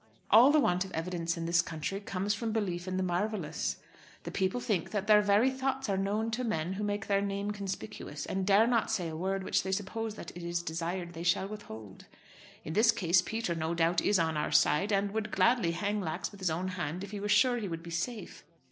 All the want of evidence in this country comes from belief in the marvellous. The people think that their very thoughts are known to men who make their name conspicuous, and dare not say a word which they suppose that it is desired they shall withhold. In this case Peter no doubt is on our side, and would gladly hang Lax with his own hand if he were sure he would be safe.